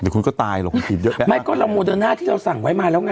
เดี๋ยวคุณก็ตายหรอกคุณผิดเยอะไหมไม่ก็เราโมเดอร์น่าที่เราสั่งไว้มาแล้วไง